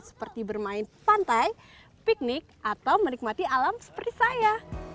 seperti bermain pantai piknik atau menikmati alam seperti saya